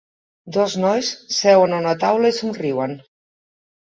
Dos nois seuen a una taula i somriuen.